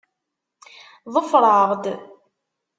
Ḍfeṛ-aɣ-d!